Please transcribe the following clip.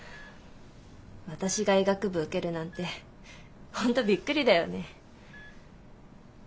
私が医学部受けるなんて本当びっくりだよね。